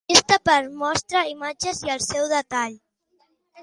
Llista per mostra imatges i el seu detall.